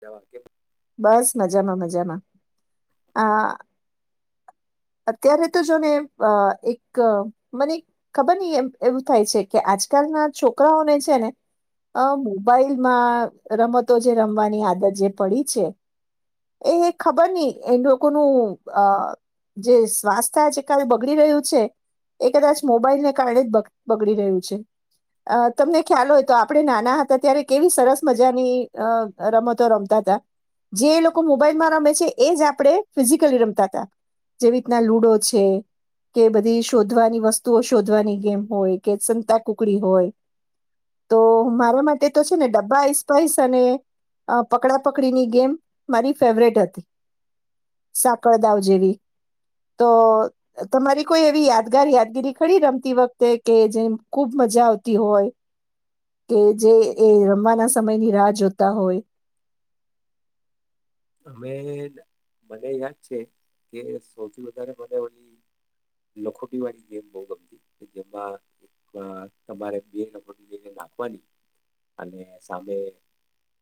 ધારો કે બસ મજામાં મજામાં આ અત્યારે તો જો ને અ એક મને ખબર નહી એમ એવું થાય છે કે આજકાલના છોકરાઓને છે ને અ મોબાઈલમાં રમતો જે રમવાની આદત જે પડી છે એ ખબર ની એ લોકોનું અ જે સ્વાસ્થ્ય તે કાલે બગડી રહ્યું છે એ કદાચ મોબાઈલને કારણે જ બગ બગડી રહ્યું છે અ તમને ખ્યાલ હોય તો આપડે નાના હતા ત્યારે કેવી સરસ મજાની અ અ રમતો રમતા હતા જે લોકો મોબાઈલમાં રમે છે એ જ આપડે ફિઝિકલી રમતા હતા. જેવી રીતના લુડો છે કે બધી શોધવાની વસ્તુઓ શોધવાની ગેમ હોય કે સંતા કુકડી હોય તો મારો મતે તો છે ને ડબ્બા આઇસપઇસ અને અ પકડા પકડીની ગેમ મારી ફેવરેટ હતી સાકળદાવ જેવી. તો તમારી કોઈ એવી યાદગાર યાદગીરી ખડી રમતી વખતે કે જે ખૂબ મજા આવતી હોય કે જે એ રમવાના સમયની રાહ જોતા હોય. અવે મને યાદ છે કે સૌથી વધારે મને ઓની લખોટી વાળી ગેમ બઉ ગમતી કે જેમાં તમારે બેય લખોટી લઈને નાખવાની અને સામે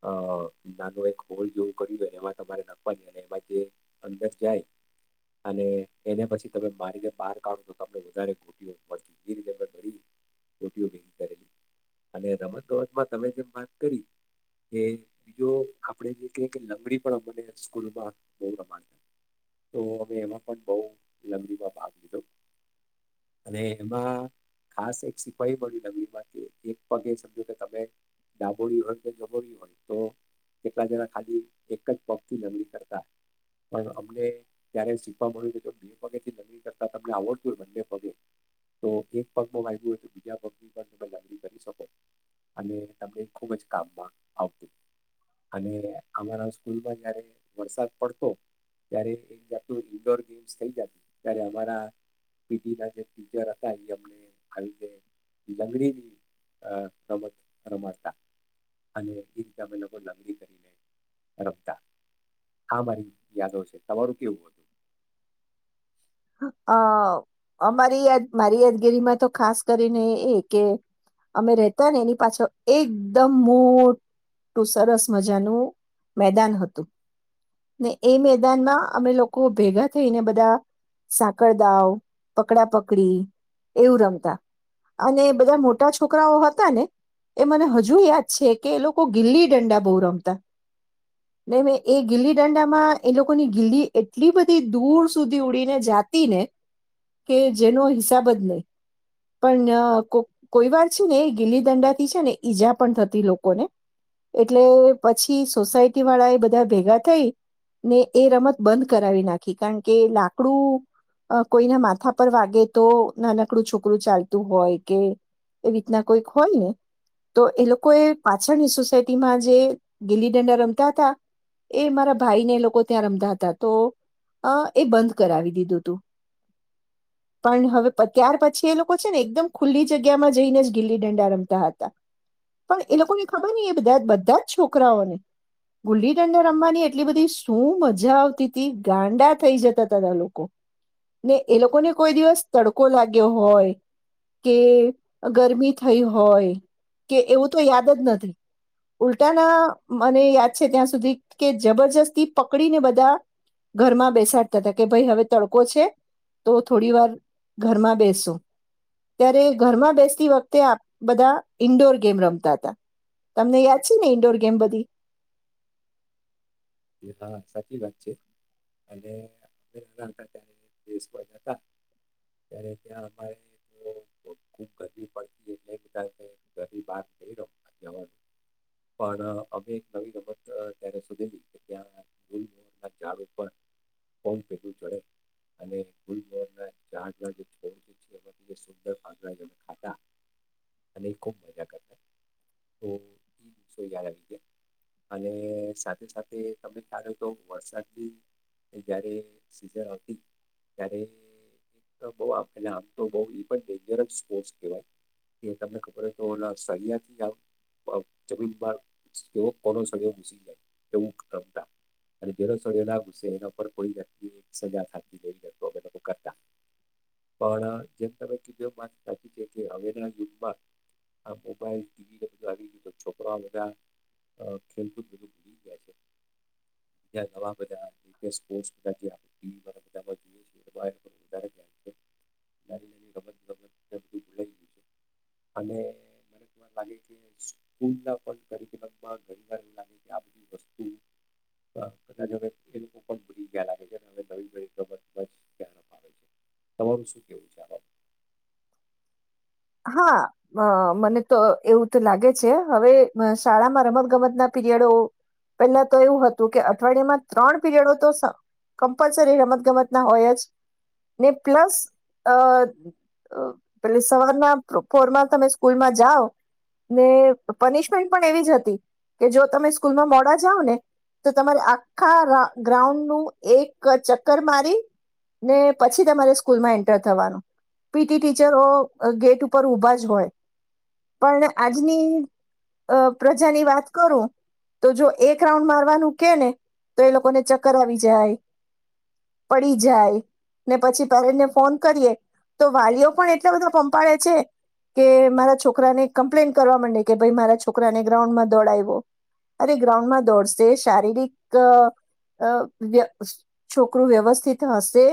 અ નાનો એક હોલ જેવું કર્યું હો એવા તમારે નાખવાની અને એમાં જે અંદર જાય અને એને પછી તમે મારીને બહાર કાઢો તો તમને વધારે ગોટીઓ મળતી જે રીતે મેં ભરી ગોટીઓ ભેગી કરેલી અને રમત ગમતમાં તમે જેમ વાત કરી એ બીજો આપણે જે કહીએ કે લંગડી પણ અમને સ્કૂલમાં બહુ રમાડતા તો અમે એમાં પણ બહુ લગરીમાં ભાગ લીધો અને એમાં ખાસ એક સિપાહી મળી લગડી માં કે એક પગે સમજો કે તમે ડાબોળી હોય ને જમોડી હોય તો એકલા જણા ખાલી એક જ પગથી લંગડી કરતા પણ અમને ક્યારે શીખવા મળ્યું હો તો બે પગેથી લંગડી કરતાં તમને આવડતું હોય બંને પગે તો એક પગમાં વાગ્યુ હોય તો બીજા પગની પણ તમે લંગડી કરી શકો અને તમને ખૂબ જ કામમાં આવતું અને અમારા સ્કૂલમાં જ્યારે વરસાદ પડતો ત્યારે એક જાતનું ઈન્ડોર ગેમ્સ થઈ જાતી ત્યારે અમારા પીટીના જે ટીચર હતા એ અમને આવી રીતે લંગડીની અ રમત રમાતા અને એ રીતે અમે લોકો લંગડી કરીને રમતા હા મારી યાદો છે. તમારું કેવું હતું? અ અમારી યાદ મારી યાદગીરીમાં તો ખાસ કરીને એ કે અમે રહેતા ને એની પાછળ એકદમ મોટું સરસ મજાનું મેદાન હતું ને એ મેદાનમાં અમે લોકો ભેગા થઈને બધા સાકળદાવ પકડા પકડી એવું રમતા અને બધા મોટા છોકરાઓ હતા ને એ મને હજુ યાદ છે કે એ લોકો ગીલી ડંડા બઉ રમતા એ ગીલી ડંડામાં એ લોકોની ગીલી એટલી બધી દૂર સુધી ઉડી એ જાતિ ને કે જેનો હિસાબ જ નહી પણ કોઈ વાર છે ને એ ગીલી દંડાથી છે ને ઈજા પણ થતી લોકોને એટલે પછી સોસાયટી વાળા એ બધા ભેગા થઈ ને એ રમત બંધ કરાવી નાખી કારણ કે લા સક્રુ અ કોઈના માથા પર વાગે તો નાનકડું છોકરું ચાલતું હોય કે એ રી તના કોઈક હોય ને તો એ લોકો એ પાછળની સોસાયટીમાં જે ગીલી ડંડા રમતા હતા એ મારા ભાઈને એ લોકો ત્યાં રમતા હતા તો એ બંધ કરાવી દીધું તું પણ હવે ત્યાર પછી એ લોકો છે ને એકદમ ખુલ્લી જગ્યામાં જઈને જ ગીલ્લી દંડા રમતા હતા પણ એ લોકોને ખબર ની એ બા બધા જ છોકરાઓને ગીલ્લી દંડા રમવાની એટલી બધી શું મજા આવતી તી ગાંડા થઈ જતા તમે લોકો ને એ લોકોને કોઈ દિવસ તડકો લાગ્યો હોય કે ગરમી થઈ હોય કે એવું તો યાદ જ નથી. ઉલટાના મને યાદ છે ત્યાં સુધી કે જબરજસ્તી પકડીને બધા ઘરમાં બેસાડ કે ભઈ હવે તડકો છે તો થોડી વાર ઘરમાં બેસું ત્યારે ઘરમાં બેસતી વખતે આપ બધા ઈન્ડોર ગેમ રમતા હતા. તમને યાદ છે ને ઈન્ડોર ગેમ બધી હા સાચી વાત છે અને અમે હતા ત્યારે દેશમાં જતા ત્યારે ત્યાં અમારે તો ખુબ ગરમી પડતી એટલે બધા ને ઘર ની બહાર નઈ રમવા જવાનું પણ અમે એક નવી રમત અત્યારે શોધેલી કે ત્યાં ગુલમહરના ઝાડ ઉપર પણ ખૂબ ઝડપ અને ગુલમહરના ઝાડના જે છોડ જે છે એમાં થી સુંદર ફાંદડા જેમે ખાતા અને એ ખૂબ મજા કરતા તો ઈ દિવસો યાદ આવી ગયા અને સાથે સાથ કે તમે ખ્યાલ હોય તો વરસાદબી તે જ્યારે સીઝન હતી ત્યારે એક તો બહુ આપણે આમ તો બઉ પણ ડેન્જરસ સ્પોર્ટસ કહેવાય કે તમને ખબર હોય તોના સળિયાથી આ પ જમીનમાં જેવો કોનો સળયો ઘૂસી જાય. એમુક રમતા અને જેનો સડયો ના ઘૂસે એના પર થોડી વ્યક્તિ સજા થતી જઈ અમે લોકો કરતા પણ જેમ તમે કીઘી એમ વાત સાચી છે કે હવેના યુગમાં આ મોબાઈલ ટીવીને બધું આવી ગયું તો છોકરા બધા અ ખેલકૂદ બધું બધુ ભૂલી ગયા છે. નવા બધા રી સ્પોર્ટ્સ ટીવી પર જોયે છે. નાની નાની રમત ગમત બધું ભુલાઈ ગયું છે અને મને તો લાગે કે સ્કૂલના કરીકુલમ માં ઘણી વાર એવું લાગે કે આ બધું વસ્તુ કદાચ હવે એ લોકો પણ ભૂલી ગયા લાગે છે ને હવે નવી નવી રમતમાં જ ધ્યાન અપાવે છે. તમારું શું કહેવું છે આ બા હા મ મને તો એવું તો લાગે છે હવે શાળામાં રમત ગમત ના પીરિયડો પહેલા તો એવું હતું કે અઠવાડિયામાં ત્રણ પીરિયડો તો સ કમ્પલસરી રમત ગમત ના હોય જ ને પ્લસ અ પેલી સવાર ના પોરમાં તમે સ્કૂલમાં જાઓ ને પનિશમેન્ટ પણ એવી જ હતી કે જો તમે સ્કૂલમાં મોડા જાવ ને તો તમારે આખા રા ગ્રાઉન્ડનું એક ચક્કર મારી ને પછી તમારે સ્કૂલમાં એન્ટર થવાનું. પીટી ટીચરો ગેટ ઉપર ઊભા જ હોય પણ આજની અ પ્રજાની વાત કરું તો જો એક રાઉન્ડ મારવાનું કે ને તો એ લોકોને ચક્કર આવી જાય, પડી જાય ને પછી પેરેન્ટને ફોન કરીએ તો વાલીઓ પણ એટલા બધા ભમ પડે છે કે મારા છોકરાને કમ્પ્લેન કરવા મંડે કે ભાઈ મારા છોકરાને ગ્રાઉન્ડમાં દોડાયવો અરે ગ્રાઉન્ડમાં દોડશે શારીરિક અ વ્ય છોકરું વ્યવસ્થિત હશે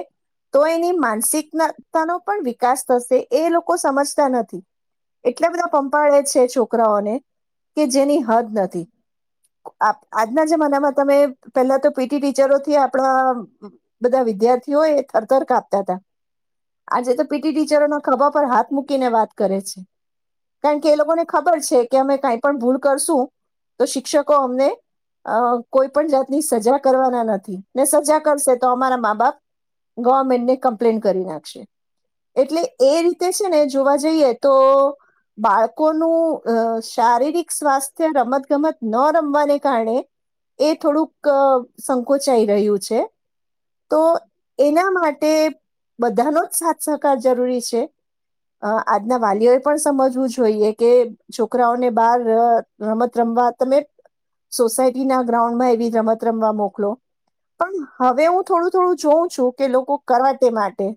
તો એની માનસિકતાનો પણ વિકાસ થશે એ લો કો સમજતા નથી એટલા બધા પંપાળે છે છોકરાઓને કે જે ની હદ નથી. આજના જમાનામાં તમે પેલા તો પીટી ટીચરોથી આપડા બધા વિદ્યાર્થીઓ એ થરથર કાપતા તા આજે તો પીટી ટીચરો ના ખબા પર હાથ મૂકીને વાત કરે છે કારણ કે એ લોકોને ખબર છે કે અમે કઈ પણ ભૂલ કરશું તો શિક્ષકો અમને કોઈ પણ જાતની સજા કરવાના નથી ને સજા કરશે તો અમારા મા બાપ ગવર્મેન્ટને કમ્પ્લેન કરી નાખશે એટલે એ રીત તે છે ને જોવા જઈએ તો બાળકોનું શારીરિક સ્વાસ્થ્ય રમત ગમત ન રમવાને કારણે એ થોડુંક સંકોચાઈ રહ્યું છે તો એના માટે બધાનો જ સાથ સહકાર જરૂરી છે. અ આજના વાલીઓ એ પણ સમજવું જોઈએ કે છોકરાઓને બાર રમત રમવા તમે સોસાયટી ના ગ્રાઉન્ડમાં એવી રમત રમવા મોકલો પણ હવે હું થોડું થોડું જોઉં છું કે લોકો કરાટે માટે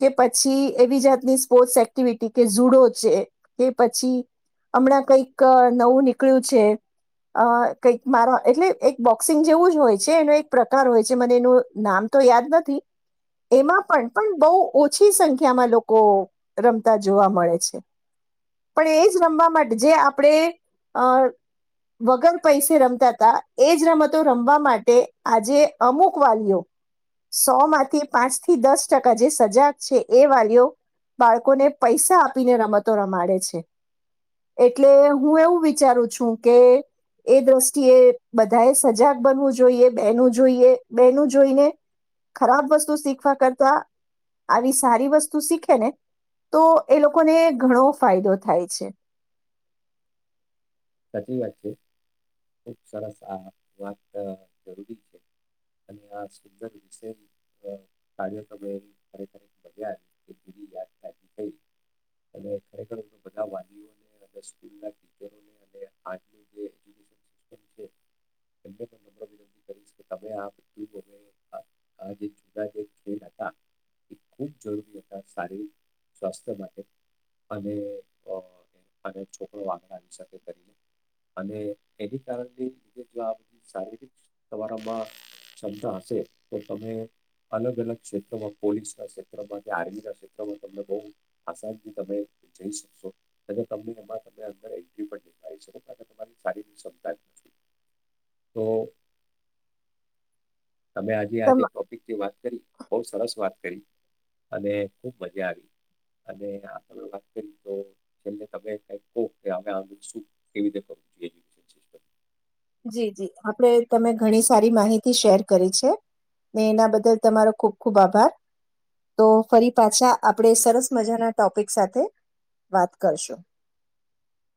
કે પછી એવી જાત ની સ્પોર્ટ્સ એક્ટિવિટી કે ઝુડો છે કે પછી હમણાં કંઈક નવું નીકળ્યું છે કંઈક મારા એટલે એક બોક્સિંગ જેવું જ હોય છે એનો એક પ્રકાર હોય છે મને એનું નામ તો યાદ નથી એમાં પણ પણ બો ઓછી સંખ્યામાં લો કો રમતા જોવા મળે છે પણ એજ રમવા માટે જે આપડે અ વગર પૈસે રમતા તા એજ રમતો રમવા માટે આજે અમુક વાલીઓ સો માંથી પાંચ થી દસ ટકા જે સજાગ છે એ વાલીઓ બાળકોને પૈસા આપીને રમતો રમાડે છે એટલે હું એવું વિચારું છું કે એ દ્રષ્ટિએ બધાએ સજાગ બનવું જોઈએ બેનું જોઈએ બેનું જોઈને ખરાબ વસ્તુ શીખવા કરતા આવી સારી વસ્તુ શીખ ખે ને તો એ લોકોને ઘણો ફાયદો થાય છે. સાચી વાત છે. ખુબ સરસ આ વાત જરૂરી છે અને આ સુંદર વિષયનું કાર્ય તમે ખરેખર કર્યા એ બી યાદ તાજી થઈ અને ખરેખર તો બધા વાલીઓને અને સ્કૂલના ટીચરોને અને આજનું જે એજ્યુકેશન સિસ્ટમ છે એમને પણ નમ્ર વિનંતી કરીશ કે તમે આ બધૂ આ જે જુના જે ખેલ હતા એ ખૂબ જરૂરી હતા શારીરિક સ્વાસ્થ્ય માટે અને અને છોકરો આગળ આવી શકે. અને એની કારણેની જો આ બધી શારીરિક તમારામાં ક્ષમતા હશે તો તમે અલગ અલગ ક્ષેત્રમાં પોલીસના ક્ષેત્રમાં કે આર્મીના ક્ષેત્રમાં તમને બહુ આસાનથી તમે જઈ શકશો અ તમને એમાં તમને અંદર એન્ટ્રી પણ નહી તમારી સારિરીક સમતા જ નથી તો તમે આજે આજ તમ ટોપિક જે વાત કરી બો સરસ વાત અને ખૂબ મજા આવી અને આગળ વાત કરી તો છેલ્લે તમે કહો કે આમાં શું કેવી રીતે કરવું જોઈએ એ સિસ્ટમ જી જી આપણે તમે ઘણી સારી માહિતી શેર કરી છે ને એના બદલ તમારો ખૂબ ખૂબ આભાર તો ફરી પાછા આપણે સરસ મજાના ટોપિક સાથે વાત કરશું.